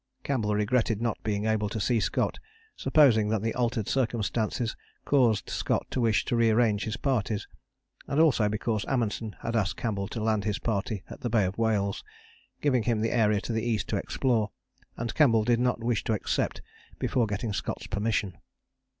Campbell regretted not being able to see Scott, supposing that the altered circumstances caused Scott to wish to rearrange his parties, and also because Amundsen had asked Campbell to land his party at the Bay of Whales, giving him the area to the east to explore, and Campbell did not wish to accept before getting Scott's permission.